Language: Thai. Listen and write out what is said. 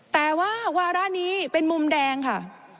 แต่ว่าวาระนี้เป็นมุมแดงค่ะ